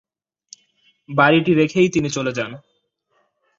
বাড়িটি রেখেই তিনি চলে যান।